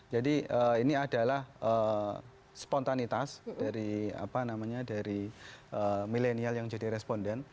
jadi ini adalah spontanitas dari milenial yang jadi responden